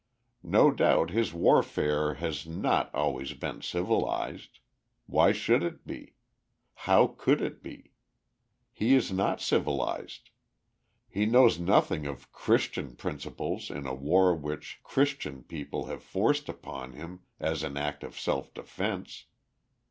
No doubt his warfare has not always been civilized. Why should it be? How could it be? He is not civilized. He knows nothing of "christian" principles in a war which "christian" people have forced upon him as an act of self defense.